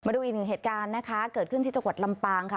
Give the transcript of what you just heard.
ดูอีกหนึ่งเหตุการณ์นะคะเกิดขึ้นที่จังหวัดลำปางค่ะ